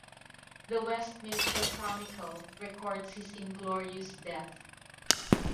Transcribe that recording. The Westminster Chronicle records his inglorious death.